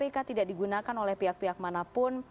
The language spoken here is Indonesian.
kpk tidak digunakan oleh pihak pihak manapun